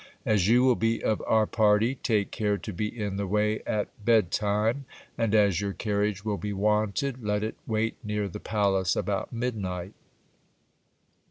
As you will be of our party, :ake care to be in the way at bed time : and as your carriage will be wanted, et it wait near the palace about midnight.